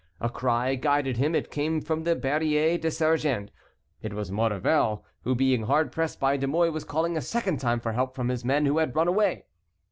A cry guided him; it came from the Barrier des Sergents. It was Maurevel, who being hard pressed by De Mouy was calling a second time for help from his men who had run away.